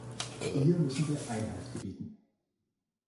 Hier müssen wir Einhalt gebieten.